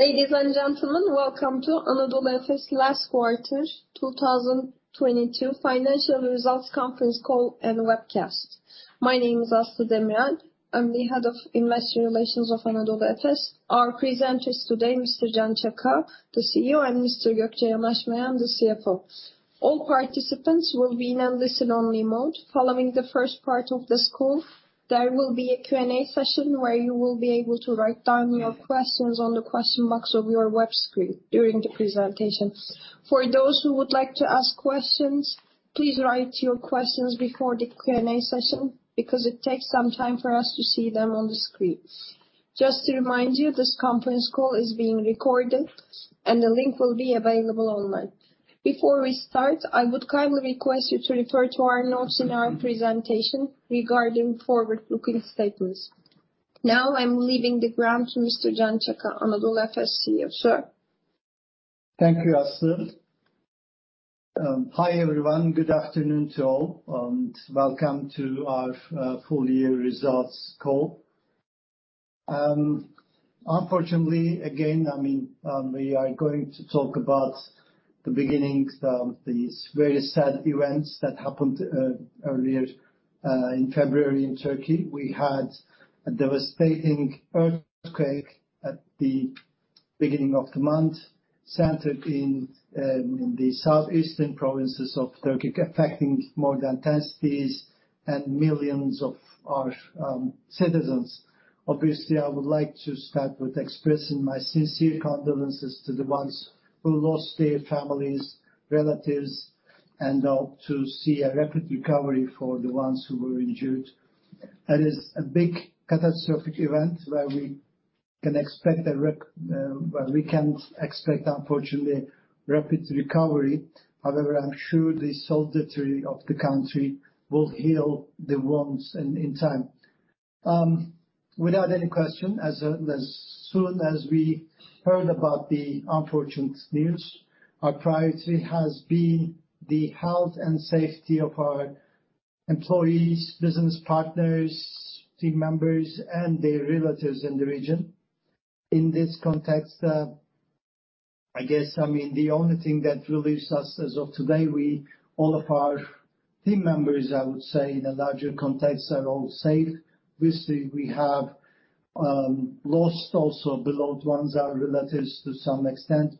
Ladies and gentlemen, welcome to Anadolu Efes last quarter 2022 financial results conference call and webcast. My name is Asli Demiral. I'm the head of Investor Relations of Anadolu Efes. Our presenters today, Mr. Can Çaka, the CEO, and Mr. Gökçe Yanaşmayan, the CFO. All participants will be in a listen-only mode. Following the first part of this call, there will be a Q&A session where you will be able to write down your questions on the question box of your web screen during the presentation. For those who would like to ask questions, please write your questions before the Q&A session because it takes some time for us to see them on the screen. Just to remind you, this conference call is being recorded and the link will be available online. Before we start, I would kindly request you to refer to our notes in our presentation regarding forward-looking statements. Now I'm leaving the ground to Mr. Can Çaka, Anadolu Efes CEO. Sir. Thank you, Asli. Hi, everyone. Good afternoon to all, and welcome to our full year results call. Unfortunately, again, I mean, we are going to talk about the beginnings of these very sad events that happened earlier in February in Turkey. We had a devastating earthquake at the beginning of the month, centered in the southeastern provinces of Turkey, affecting more than 10 cities and millions of our citizens. Obviously, I would like to start with expressing my sincere condolences to the ones who lost their families, relatives, and to see a rapid recovery for the ones who were injured. That is a big catastrophic event where we can't expect, unfortunately, rapid recovery. However, I'm sure the solidarity of the country will heal the wounds in time. Without any question, as soon as we heard about the unfortunate news, our priority has been the health and safety of our employees, business partners, team members, and their relatives in the region. In this context, I guess, I mean, the only thing that relieves us as of today, all of our team members, I would say, in a larger context, are all safe. Obviously, we have lost also beloved ones, our relatives to some extent.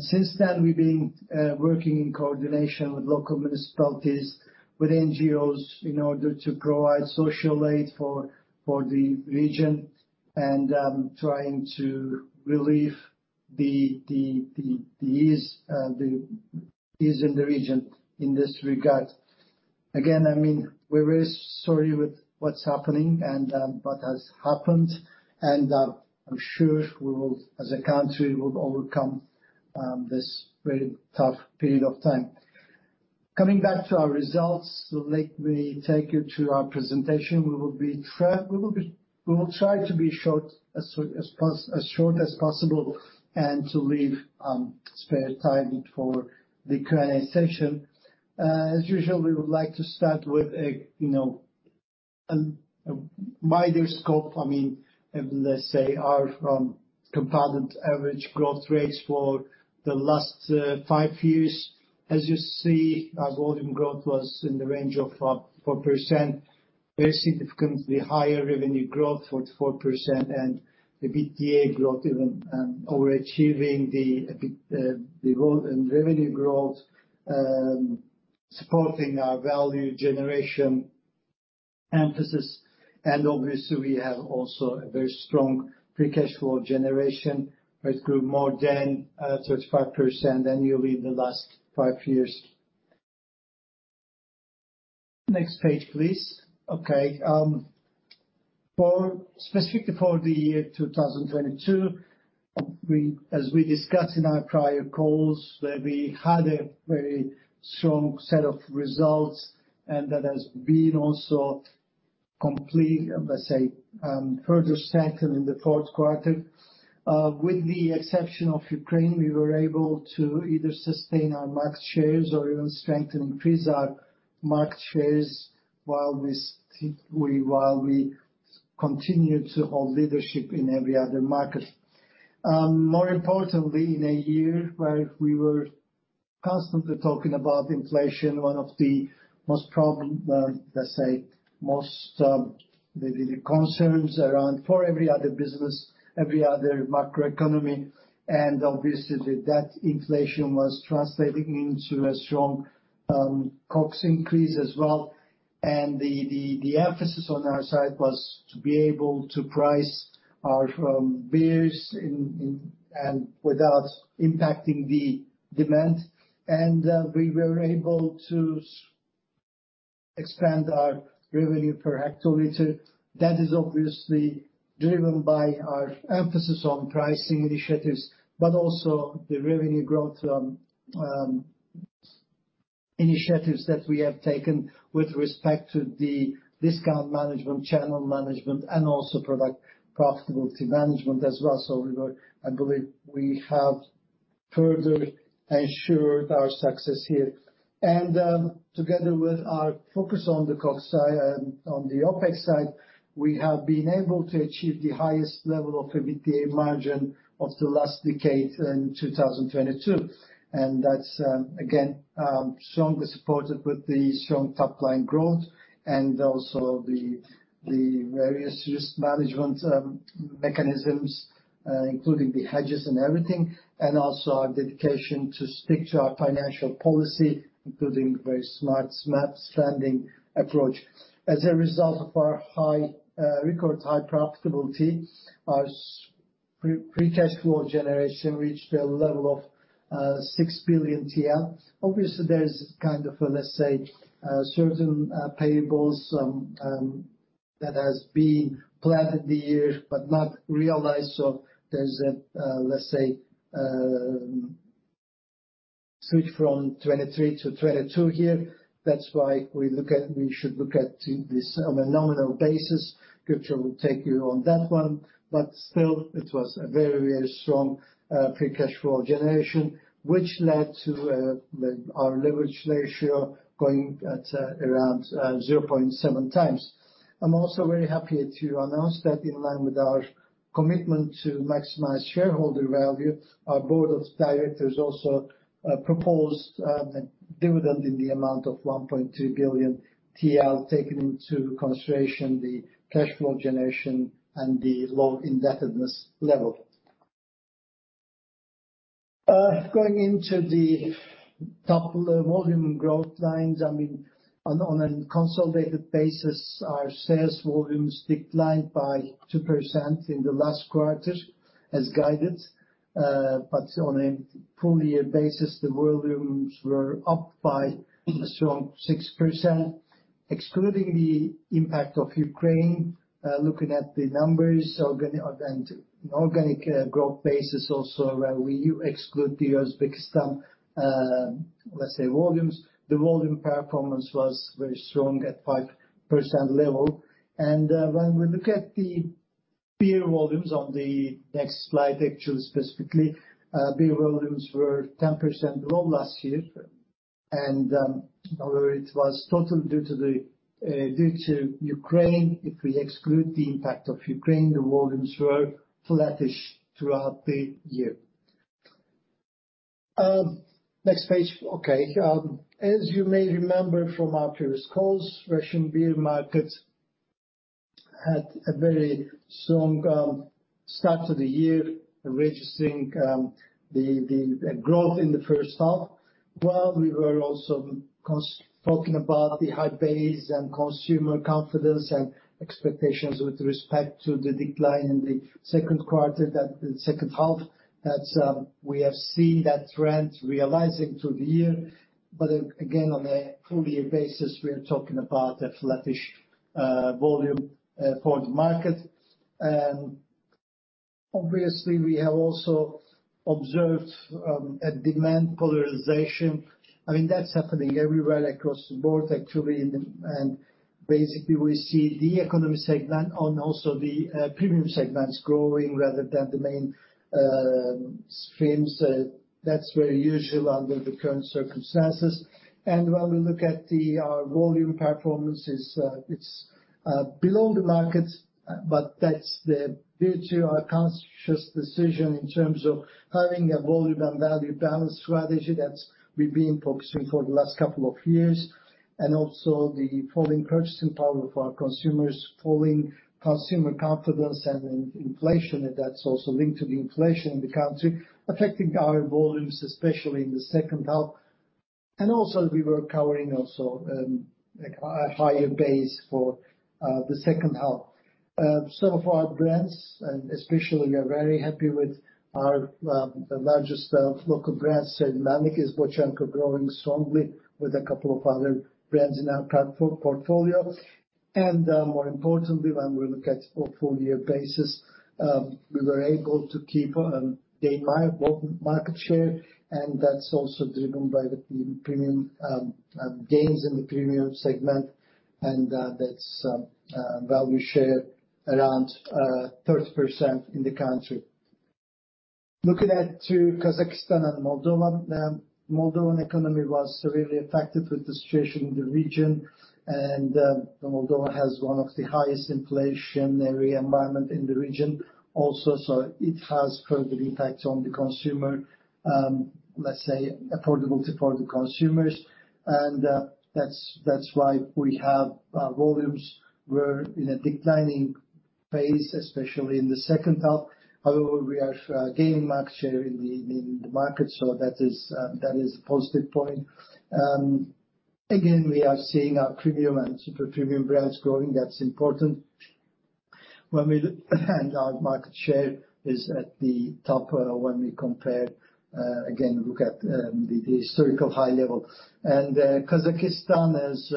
Since then, we've been working in coordination with local municipalities, with NGOs, in order to provide social aid for the region and trying to relieve the ease in the region in this regard. Again, I mean, we're very sorry with what's happening and what has happened, and I'm sure we will, as a country, will overcome this very tough period of time. Coming back to our results, let me take you to our presentation. We will try to be short, as short as possible and to leave spare time for the Q&A session. As usual, we would like to start with a, you know, a wider scope. I mean, let's say our compounded average growth rates for the last 5 years. As you see, our volume growth was in the range of 4%, very significantly higher revenue growth, 44%, and the EBITDA growth even overachieving the growth in revenue growth, supporting our value generation emphasis. Obviously, we have also a very strong free cash flow generation, which grew more than 35% annually in the last 5 years. Next page, please. Okay. For specifically for the year 2022, as we discussed in our prior calls, where we had a very strong set of results, and that has been also complete, let's say, further strengthened in the fourth quarter. With the exception of Ukraine, we were able to either sustain our market shares or even strengthen, increase our market shares while we continue to hold leadership in every other market. More importantly, in a year where we were constantly talking about inflation, one of the most problem, let's say most, the concerns around for every other business, every other macroeconomy, obviously that inflation was translating into a strong COGS increase as well. The emphasis on our side was to be able to price our beers in and without impacting the demand. We were able to expand our revenue per hectoliter. That is obviously driven by our emphasis on pricing initiatives, but also the revenue growth initiatives that we have taken with respect to the discount management, channel management, and also product profitability management as well. I believe we have further ensure our success here. Together with our focus on the cost side and on the OPEX side, we have been able to achieve the highest level of EBITDA margin of the last decade in 2022. That's again strongly supported with the strong top line growth and also the various risk management mechanisms, including the hedges and everything, and also our dedication to stick to our financial policy, including very smart standing approach. As a result of our high, record high profitability, our free cash flow generation reached a level of 6 billion TL. Obviously, there is kind of a, let's say, certain payables that has been planned in the year but not realized. There's a, let's say, switch from 23 to 22 here. That's why we should look at this on a nominal basis. Gökçe will take you on that one. Still, it was a very, very strong free cash flow generation, which led to our leverage ratio going at around 0.7 times. I'm also very happy to announce that in line with our commitment to maximize shareholder value, our board of directors also proposed a dividend in the amount of 1.2 billion TL, taking into consideration the cash flow generation and the low indebtedness level. Going into the top volume growth lines, I mean, on a consolidated basis, our sales volumes declined by 2% in the last quarter as guided. On a full year basis, the volumes were up by a strong 6%, excluding the impact of Ukraine. Looking at the numbers, organic growth basis also where we exclude the Uzbekistan, let's say, volumes. The volume performance was very strong at 5% level. When we look at the beer volumes on the next slide, actually, specifically, beer volumes were 10% below last year. However, it was totally due to the due to Ukraine. If we exclude the impact of Ukraine, the volumes were flattish throughout the year. Next page. Okay. As you may remember from our previous calls, Russian beer market had a very strong start to the year, registering the growth in the first half, while we were also talking about the high base and consumer confidence and expectations with respect to the decline in the second quarter the second half. We have seen that trend realizing through the year. Again, on a full year basis, we are talking about a flattish volume for the market. Obviously, we have also observed a demand polarization. I mean, that's happening everywhere across the board, actually. Basically we see the economy segment and also the premium segments growing rather than the main streams. That's very usual under the current circumstances. When we look at our volume performance is below the market, but due to our conscious decision in terms of having a volume and value balance strategy that we've been focusing for the last couple of years, and also the falling purchasing power of our consumers, falling consumer confidence and inflation, that's also linked to the inflation in the country, affecting our volumes, especially in the second half. Also we were covering also a higher base for the second half. Some of our brands, and especially we are very happy with our the largest local brands, Sedna, Nikis, Bochonka growing strongly with a couple of other brands in our portfolio. More importantly, when we look at a full year basis, we were able to keep gain market share, and that's also driven by the pre-premium gains in the premium segment, and that's value share around 30% in the country. Looking at to Kazakhstan and Moldova. Moldova economy was severely affected with the situation in the region, and Moldova has one of the highest inflationary environment in the region also. It has further impact on the consumer, let's say affordability for the consumers. That's why we have volumes were in a declining phase, especially in the second half. However, we are gaining market share in the market, so that is a positive point. Again, we are seeing our premium and super premium brands growing. That's important. Our market share is at the top, when we compare, again, look at the historical high level. Kazakhstan has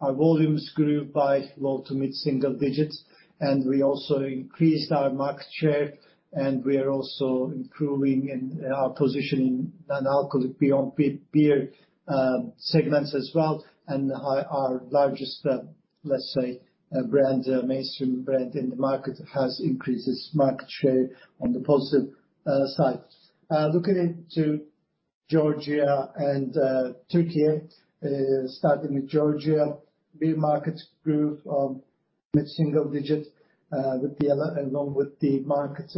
our volumes grew by low to mid-single digits, and we also increased our market share, and we are also improving in our position in non-alcoholic beyond beer segments as well. Our largest, let's say, brand, mainstream brand in the market has increased its market share on the positive side. Looking into Georgia and Turkey. Starting with Georgia, beer market grew mid single digit along with the market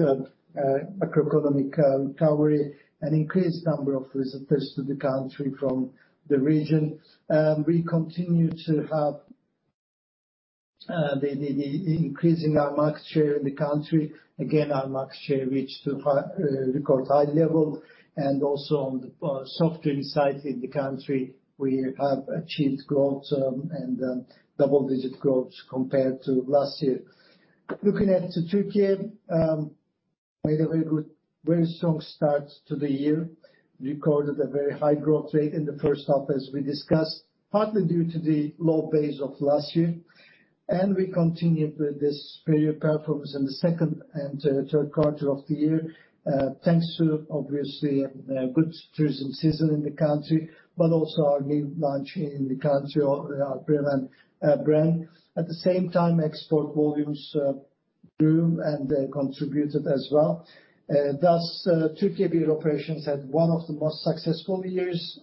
macroeconomic recovery, an increased number of visitors to the country from the region. We continue to have the increasing our market share in the country. Again, our market share reached to high record high level, and also on the soft drinks side in the country we have achieved growth and double-digit growth compared to last year. Looking at Turkey made a very good, very strong start to the year. Recorded a very high growth rate in the first half as we discussed, partly due to the low base of last year. We continued with this superior performance in the second and third quarter of the year, thanks to obviously good tourism season in the country, but also our new launch in the country of our Prevan brand. At the same time, export volumes grew and they contributed as well. Thus, Turkey beer operations had one of the most successful years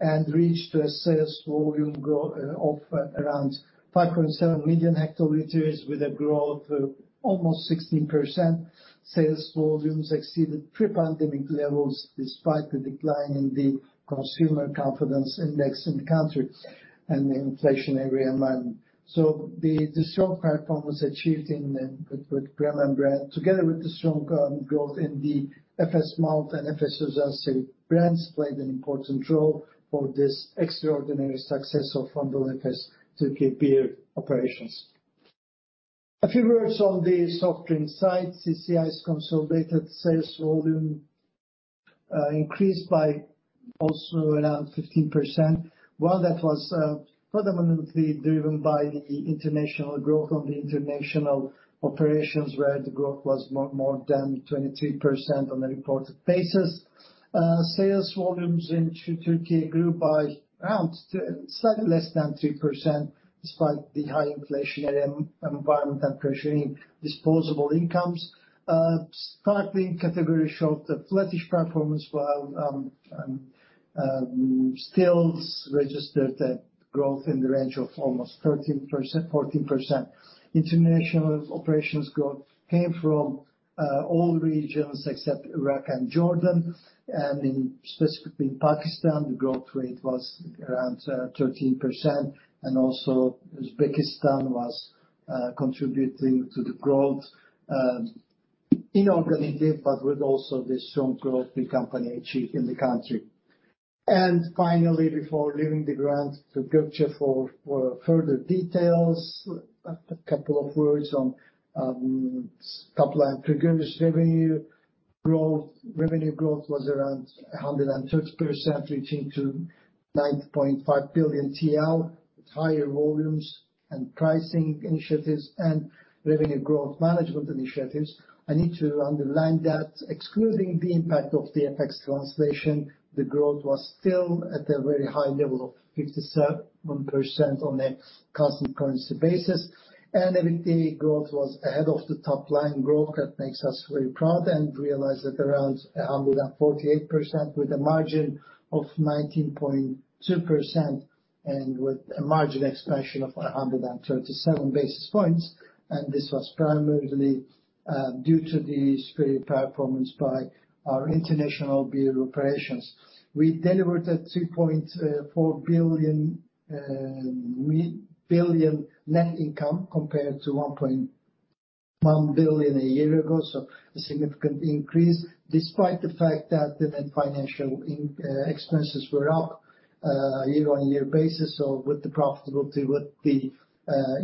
and reached a sales volume grow of around 5.7 million hectoliters with a growth of almost 16%. Sales volumes exceeded pre-pandemic levels despite the decline in the consumer confidence index in the country and the inflationary environment. The strong performance achieved with Prevan brand, together with the strong growth in the Efes Malt and Efes Özel Seri brands played an important role for this extraordinary success of Anadolu Efes Turkey beer operations. A few words on the soft drink side. CCI's consolidated sales volume increased by also around 15%. While that was predominantly driven by the international growth on the international operations where the growth was more than 23% on a reported basis. Sales volumes into Turkey grew by around slightly less than 3% despite the high inflationary environment and pressuring disposable incomes. Sparkling category showed a flattish performance while stills registered a growth in the range of almost 13%-14%. International operations growth came from all regions except Iraq and Jordan, and in specifically in Pakistan the growth rate was around 13%. Uzbekistan was contributing to the growth inorganically but with also the strong growth the company achieved in the country. Finally, before leaving the ground to Gokce for further details, a couple of words on top line figures. Revenue growth was around 130%, reaching to 9.5 billion TL with higher volumes and pricing initiatives and revenue growth management initiatives. I need to underline that excluding the impact of the FX translation, the growth was still at a very high level of 57% on a constant currency basis. EBITDA growth was ahead of the top line growth. That makes us very proud and realize that around 148% with a margin of 19.2% and with a margin expansion of 137 basis points. This was primarily due to the superior performance by our international beer operations. We delivered a 2.4 billion net income compared to 1.1 billion a year ago. A significant increase despite the fact that the net financial expenses were up year-on-year basis. With the profitability, with the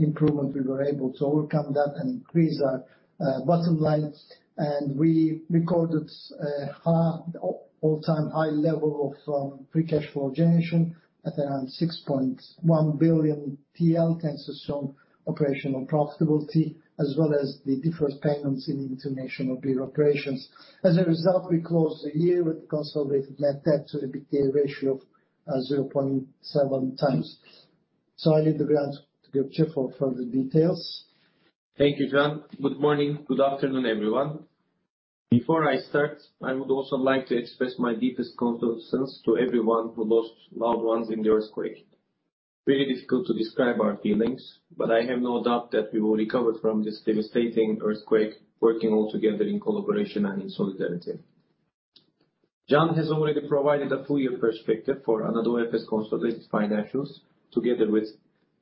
improvement we were able to overcome that and increase our bottom line. We recorded an all-time high level of free cash flow generation at around 6.1 billion TL, thanks to strong operational profitability as well as the deferred payments in the international beer operations. As a result, we closed the year with consolidated net debt to EBITDA ratio of 0.7 times. I leave the ground to Gökçe for further details. Thank you, Can. Good morning. Good afternoon, everyone. Before I start, I would also like to express my deepest condolences to everyone who lost loved ones in the earthquake. Very difficult to describe our feelings, I have no doubt that we will recover from this devastating earthquake working all together in collaboration and in solidarity. Can has already provided a full year perspective for Anadolu Efes consolidated financials together with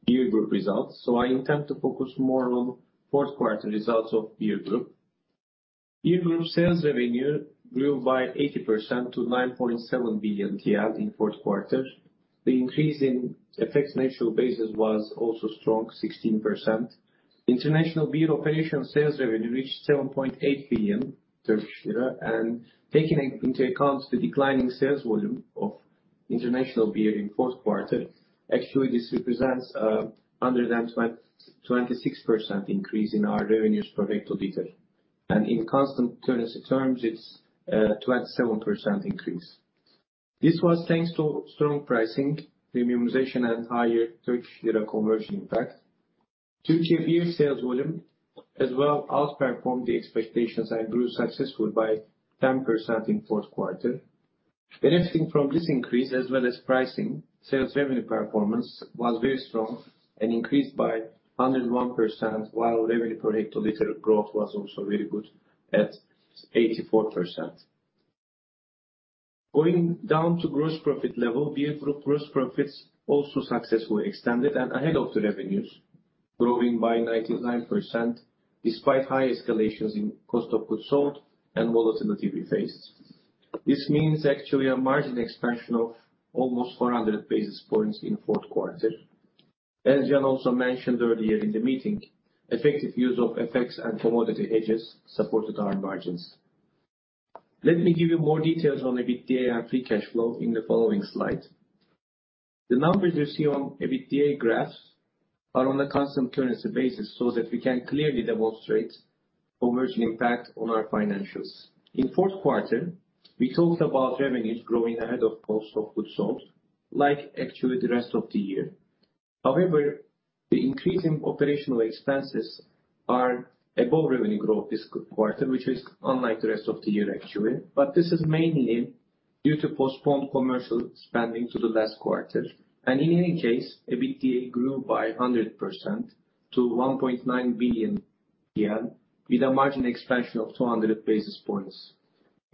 beer group results. I intend to focus more on fourth quarter results of beer group. Beer group sales revenue grew by 80% to 9.7 billion TL in fourth quarter. The increase in FX-Neutral basis was also strong, 16%. International beer operation sales revenue reached 7.8 billion Turkish lira. Taking into account the declining sales volume of international beer in fourth quarter, actually this represents 126% increase in our revenues per hectoliter. In constant currency terms it's 27% increase. This was thanks to strong pricing, premiumization, and higher Turkish lira conversion impact. Turkiye beer sales volume as well outperformed the expectations and grew successful by 10% in fourth quarter. Benefiting from this increase as well as pricing, sales revenue performance was very strong and increased by 101% while revenue per hectoliter growth was also very good at 84%. Going down to gross profit level, beer group gross profits also successfully extended and ahead of the revenues, growing by 99% despite high escalations in cost of goods sold and volatility we faced. This means actually a margin expansion of almost 400 basis points in fourth quarter. As Can also mentioned earlier in the meeting, effective use of Efes and commodity hedges supported our margins. Let me give you more details on EBITDA and free cash flow in the following slide. The numbers you see on EBITDA graphs are on a constant currency basis, so that we can clearly demonstrate emerging impact on our financials. In fourth quarter, we talked about revenues growing ahead of cost of goods sold, like actually the rest of the year. However, the increase in operational expenses are above revenue growth this quarter, which is unlike the rest of the year actually. This is mainly due to postponed commercial spending to the last quarter. In any case, EBITDA grew by 100% to TRY 1.9 billion, with a margin expansion of 200 basis points.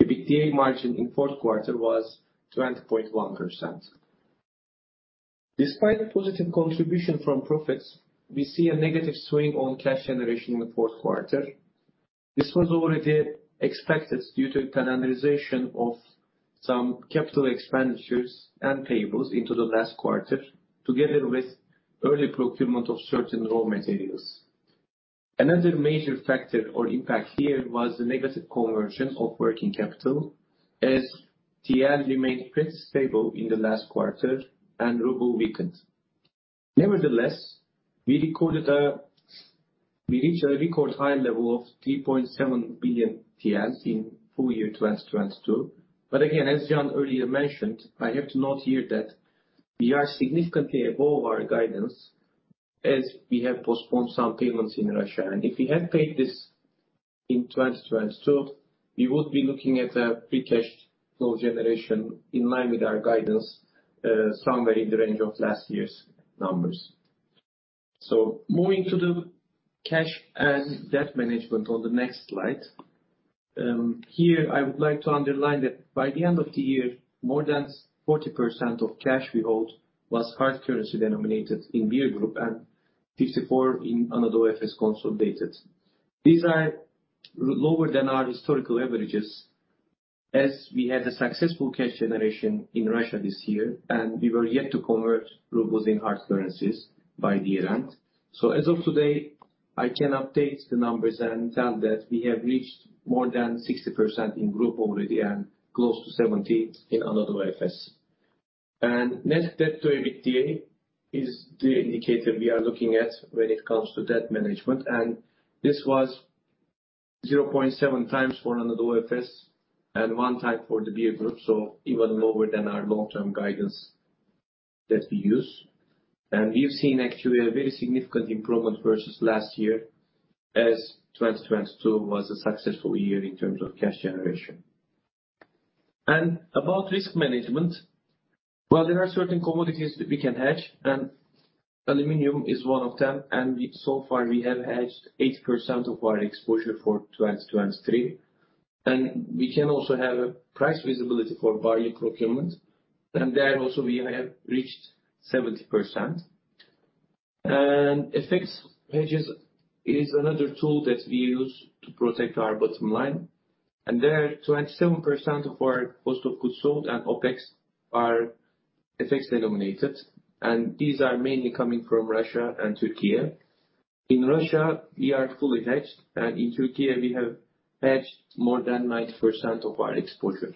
EBITDA margin in fourth quarter was 20.1%. Despite positive contribution from profits, we see a negative swing on cash generation in the fourth quarter. This was already expected due to calendarization of some capital expenditures and payables into the last quarter, together with early procurement of certain raw materials. Another major factor or impact here was the negative conversion of working capital as TL remained pretty stable in the last quarter and ruble weakened. We reached a record high level of 3.7 billion in full year 2022. Again, as Can earlier mentioned, I have to note here that we are significantly above our guidance as we have postponed some payments in Russia. If we had paid this in 2022, we would be looking at a free cash flow generation in line with our guidance, somewhere in the range of last year's numbers. Moving to the cash and debt management on the next slide. Here I would like to underline that by the end of the year, more than 40% of cash we hold was hard currency denominated in beer group and 54% in Anadolu Efes consolidated. These are lower than our historical averages, as we had a successful cash generation in Russia this year, and we were yet to convert rubles in hard currencies by year-end. As of today, I can update the numbers and tell that we have reached more than 60% in group already and close to 70% in Anadolu Efes. Net debt to EBITDA is the indicator we are looking at when it comes to debt management, and this was 0.7 times for Anadolu Efes and 1 time for the beer group, so even lower than our long-term guidance that we use. We've seen actually a very significant improvement versus last year, as 2022 was a successful year in terms of cash generation. About risk management. While there are certain commodities that we can hedge, and aluminum is one of them, so far we have hedged 80% of our exposure for 2023. We can also have price visibility for barley procurement. There also we have reached 70%. FX hedges is another tool that we use to protect our bottom line. There, 27% of our cost of goods sold and OPEX are FX denominated, and these are mainly coming from Russia and Türkiye. In Russia, we are fully hedged, and in Türkiye we have hedged more than 90% of our exposure.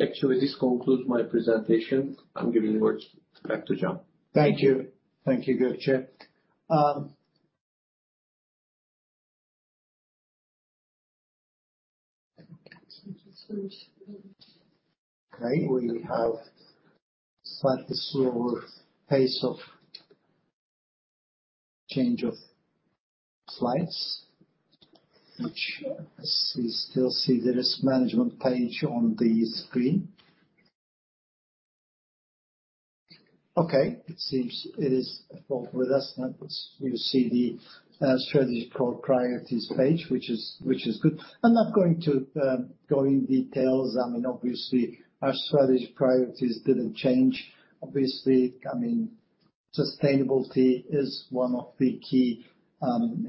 Actually, this concludes my presentation. I'm giving words back to Can. Thank you. Thank you, Gökçe. Okay. We have slightly slower pace of change of slides, which I still see there is management page on the screen. Okay. It seems it is with us. Now you see the strategic core priorities page, which is good. I'm not going to go in details. I mean, obviously our strategic priorities didn't change. Obviously, I mean, sustainability is one of the key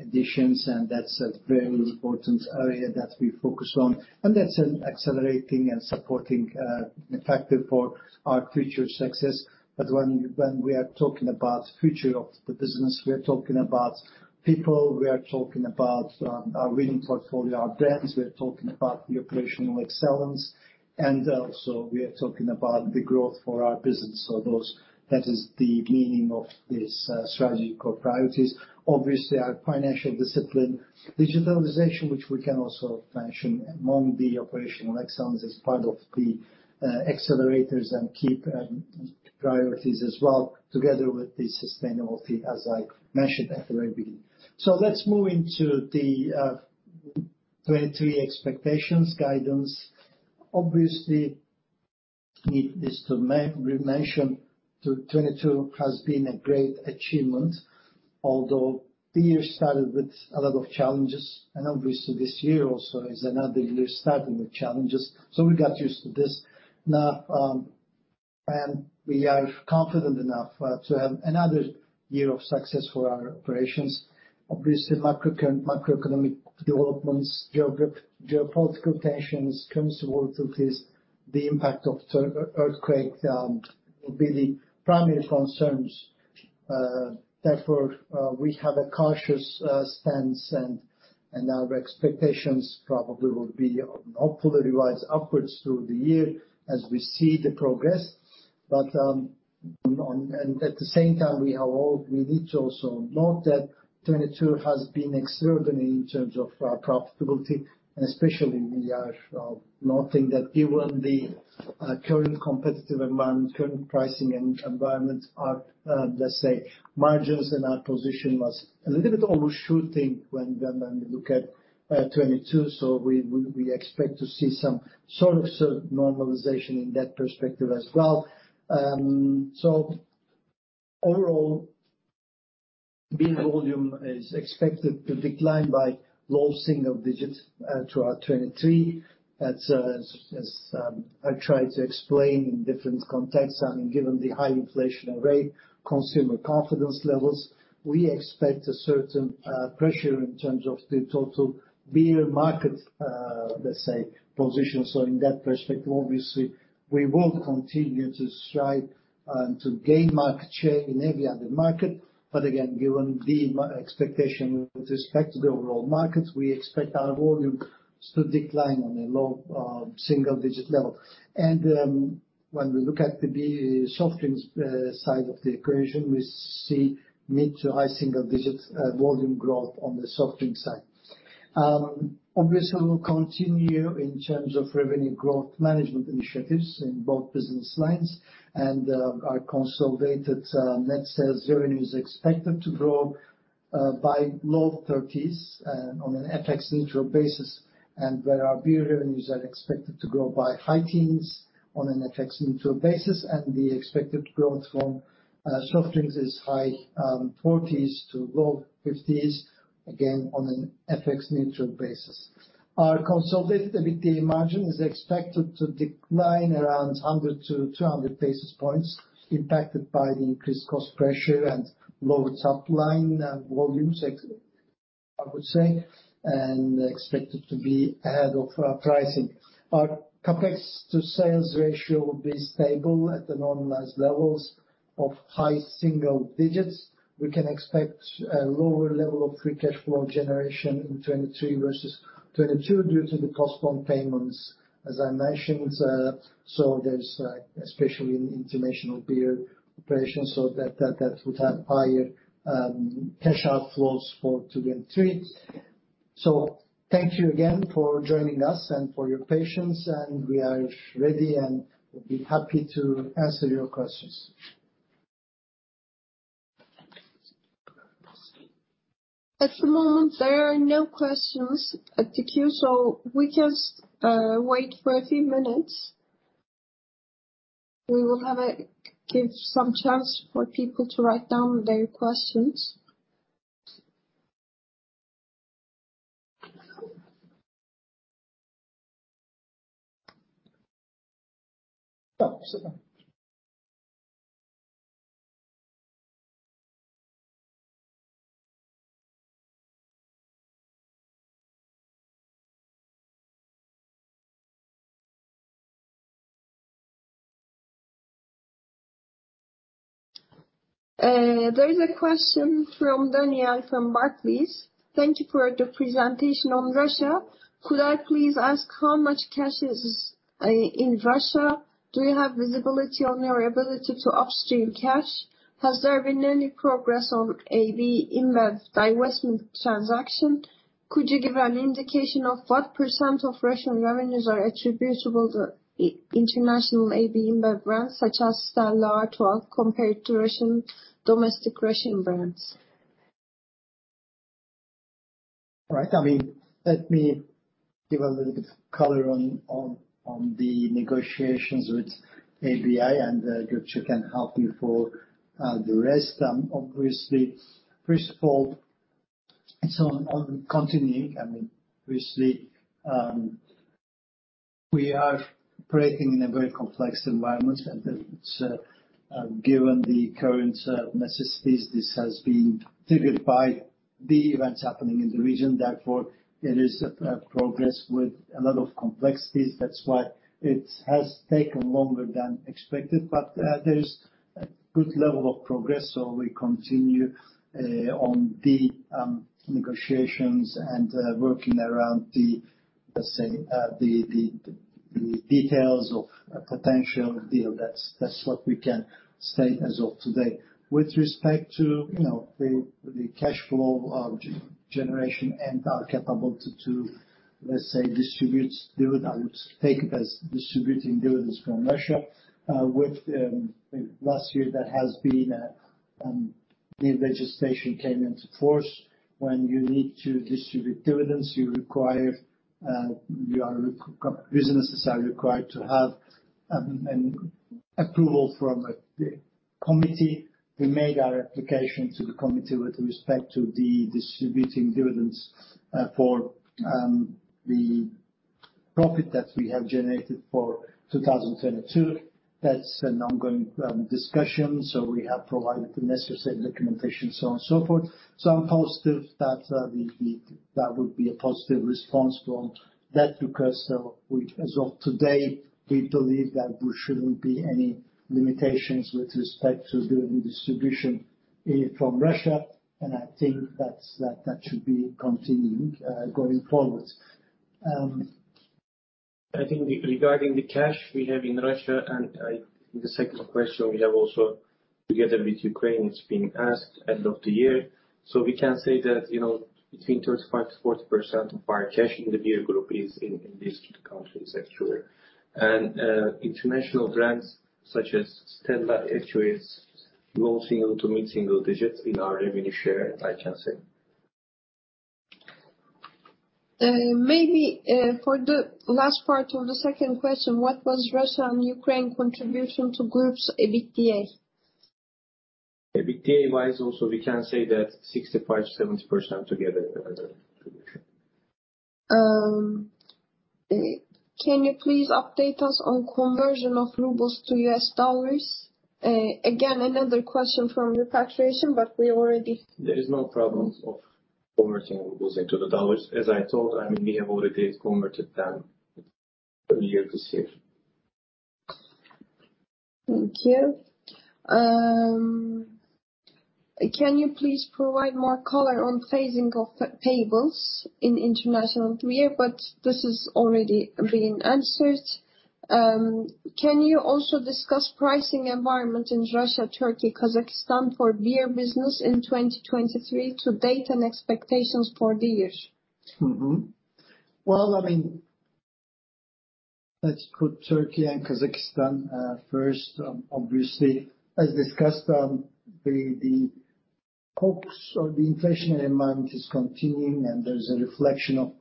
additions, and that's a very important area that we focus on, and that's an accelerating and supporting factor for our future success. When we are talking about future of the business, we are talking about people, we are talking about our winning portfolio, our brands. We are talking about the operational excellence, and also we are talking about the growth for our business. Those... That is the meaning of this strategic core priorities. Obviously, our financial discipline, digitalization, which we can also mention among the operational excellence as part of the accelerators and keep priorities as well, together with the sustainability, as I mentioned at the very beginning. Let's move into the 2023 expectations guidance. Obviously, needless to mention, 2022 has been a great achievement, although the year started with a lot of challenges. Obviously, this year also is another year starting with challenges. We got used to this now, and we are confident enough to have another year of success for our operations. Obviously, macroeconomic developments, geopolitical tensions, currency volatilities, the impact of earthquake, will be the primary concerns. Therefore, we have a cautious stance, and our expectations probably will be hopefully revised upwards through the year as we see the progress. At the same time, we need to also note that 2022 has been extraordinary in terms of profitability, and especially we are noting that given the current competitive environment, current pricing environment, our, let's say, margins and our position was a little bit overshooting when we look at 2022. We expect to see some sort of certain normalization in that perspective as well. Overall, beer volume is expected to decline by low single digits throughout 2023. That's as I tried to explain in different contexts. I mean, given the high inflationary rate, consumer confidence levels, we expect a certain pressure in terms of the total beer market, let's say, position. In that perspective, obviously we will continue to strive to gain market share in every other market. Again, given the expectation with respect to the overall market, we expect our volume to decline on a low single-digit level. When we look at the soft drinks side of the equation, we see mid-to-high single digits volume growth on the soft drinks side. Obviously we'll continue in terms of revenue growth management initiatives in both business lines and our consolidated net sales revenue is expected to grow by low 30s on an FX-Neutral basis. Where our beer revenues are expected to grow by high teens on an FX-Neutral basis and the expected growth from soft drinks is high forties to low fifties, again on an FX-Neutral basis. Our consolidated EBITDA margin is expected to decline around 100 to 200 basis points impacted by the increased cost pressure and lower top line volumes, ex-I would say, and expected to be ahead of our pricing. Our CapEx to sales ratio will be stable at the normalized levels of high single digits. We can expect a lower level of free cash flow generation in 2023 versus 2022 due to the cost on payments, as I mentioned. There's especially in international beer operations, so that would have higher cash outflows for two and three. Thank you again for joining us and for your patience, and we are ready, and we'll be happy to answer your questions. At the moment, there are no questions at the queue. We just wait for a few minutes. We will give some chance for people to write down their questions. There is a question from Daniel from Barclays. Thank you for the presentation on Russia. Could I please ask how much cash is in Russia? Do you have visibility on your ability to upstream cash? Has there been any progress on AB InBev divestment transaction? Could you give an indication of what % of Russian revenues are attributable to international AB InBev brands such as Stella Artois compared to Russian, domestic Russian brands? Right. I mean, let me give a little bit color on the negotiations with ABI, and Gökçe can help me for the rest. Obviously, first of all, so on continuing, I mean, obviously, we are operating in a very complex environment, and it's given the current necessities, this has been triggered by the events happening in the region. Therefore, it is a progress with a lot of complexities. That's why it has taken longer than expected. There's a good level of progress, so we continue on the negotiations and working around the, let's say, the details of a potential deal. That's what we can say as of today. With respect to, you know, the cash flow, generation and our capability to, let's say, distribute dividend, I would take it as distributing dividends from Russia. With last year that has been new legislation came into force. When you need to distribute dividends, you require. Businesses are required to have an approval from the committee. We made our application to the committee with respect to the distributing dividends, for the profit that we have generated for 2022. That's an ongoing discussion, we have provided the necessary documentation, so on and so forth. I'm positive that that would be a positive response from that because, as of today, we believe that there shouldn't be any limitations with respect to doing distribution from Russia, and I think that's, that should be continuing going forward. I think regarding the cash we have in Russia, the second question we have also together with Ukraine, it's being asked end of the year. We can say that, you know, between 35%-40% of our cash in the beer group is in these two countries, actually. International brands such as Stella actually is low single to mid-single digits in our revenue share, I can say. Maybe, for the last part of the second question, what was Russia and Ukraine contribution to group's EBITDA? EBITDA-wise also we can say that 65%-70% together. Can you please update us on conversion of rubles to US dollars? Again, another question from repatriation. There is no problems of converting rubles into the dollars. As I told, I mean, we have already converted them earlier this year. Thank you. Can you please provide more color on phasing of payables in international beer? This has already been answered. Can you also discuss pricing environment in Russia, Turkey, Kazakhstan for beer business in 2023 to date and expectations for the year? Well, I mean, let's put Turkey and Kazakhstan first. Obviously, as discussed, the COGS or the inflationary environment is continuing, and there's a reflection of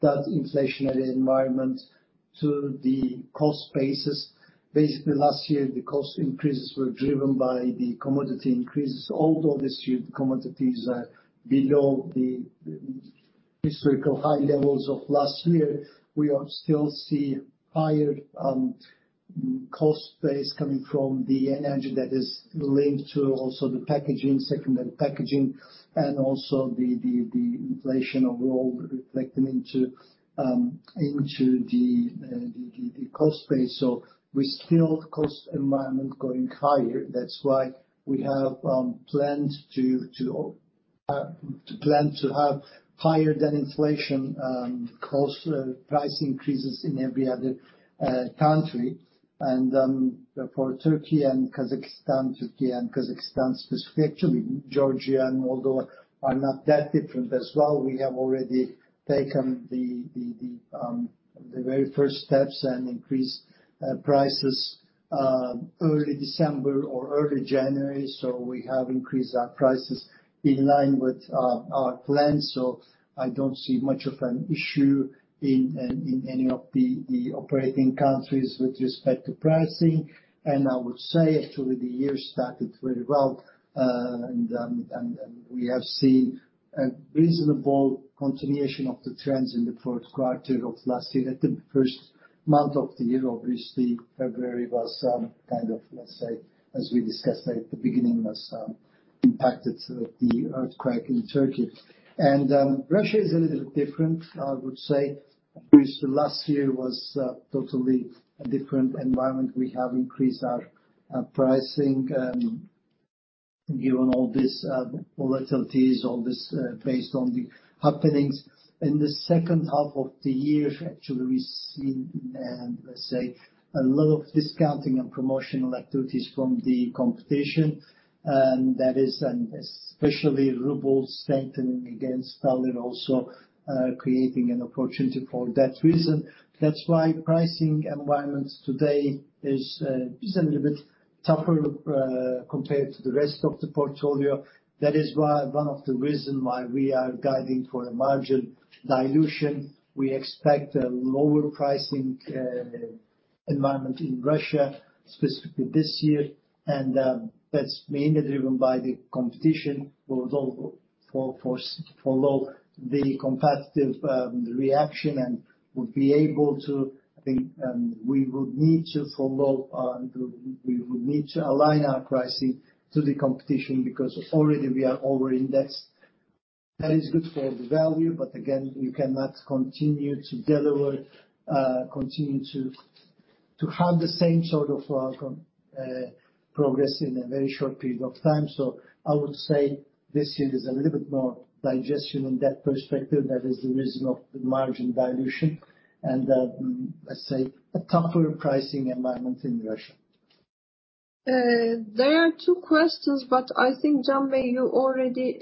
that inflationary environment to the cost bases. Basically, last year, the cost increases were driven by the commodity increases. Although these few commodities are below the historical high levels of last year, we are still see higher cost base coming from the energy that is linked to also the packaging, secondary packaging, and also the inflation overall reflecting into the cost base. We still cost environment going higher. That's why we have planned to plan to have higher than inflation cost price increases in every other country. For Turkey and Kazakhstan, Turkey and Kazakhstan specifically, Georgia and Moldova are not that different as well. We have already taken the very first steps and increased prices early December or early January. We have increased our prices in line with our plans. I don't see much of an issue in any of the operating countries with respect to pricing. I would say actually the year started very well. We have seen a reasonable continuation of the trends in the first quarter of last year. At the first month of the year, obviously, February was kind of, let's say, as we discussed at the beginning, was impacted the earthquake in Turkey. Russia is a little different, I would say, because the last year was totally a different environment. We have increased our pricing, given all these volatilities, all this based on the happenings. In the second half of the year, actually we've seen, let's say a lot of discounting and promotional activities from the competition, and especially RUB strengthening against USD also creating an opportunity for that reason. That's why pricing environments today is a little bit tougher compared to the rest of the portfolio. That is why one of the reason why we are guiding for a margin dilution. We expect a lower pricing environment in Russia, specifically this year. That's mainly driven by the competition. We'll follow the competitive reaction and will be able to, I think, we would need to align our pricing to the competition because already we are over-indexed. That is good for the value, but again, you cannot continue to deliver, continue to have the same sort of progress in a very short period of time. I would say this year is a little bit more digestion in that perspective. That is the reason of the margin dilution and, let's say a tougher pricing environment in Russia. There are two questions, but I think, Can Çaka, you already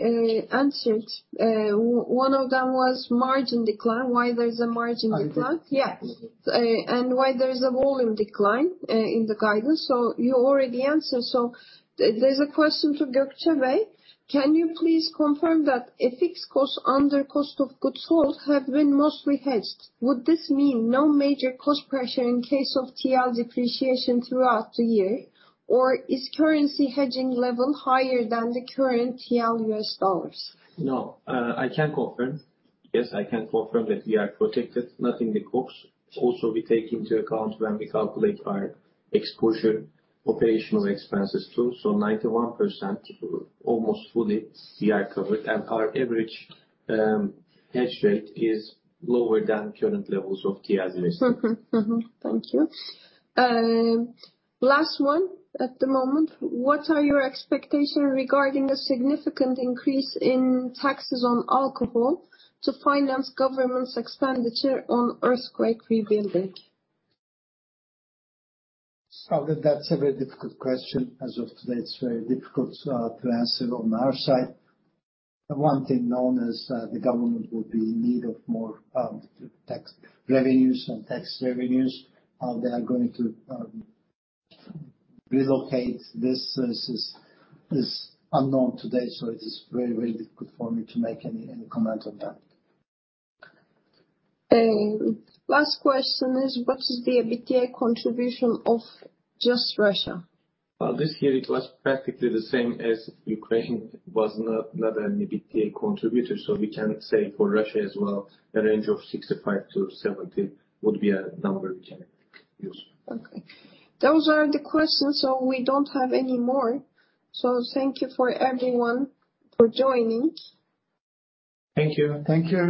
answered. One of them was margin decline, why there is a margin decline? I did. Yes. Why there is a volume decline in the guidance. You already answered. There's a question to Gökçe Yanaşmayan. Can you please confirm that a fixed cost under COGS have been mostly hedged? Would this mean no major cost pressure in case of TL depreciation throughout the year? Or is currency hedging level higher than the current TL USD? No. I can confirm. Yes, I can confirm that we are protected, not in the COGS. Also, we take into account when we calculate our exposure operational expenses too. 91%, almost fully we are covered, and our average hedge rate is lower than current levels of TL risk. Mm-hmm. Mm-hmm. Thank you. Last one at the moment. What are your expectations regarding the significant increase in taxes on alcohol to finance government's expenditure on earthquake rebuilding? That's a very difficult question. As of today, it's very difficult to answer on our side. One thing known is the government will be in need of more tax revenues. How they are going to relocate this is unknown today, so it is very difficult for me to make any comment on that. Last question is: What is the EBITDA contribution of just Russia? This year it was practically the same as Ukraine was not an EBITDA contributor. We can say for Russia as well, a range of 65-70 would be a number we can use. Okay. Those are the questions. We don't have any more, so thank you for everyone for joining. Thank you. Thank you.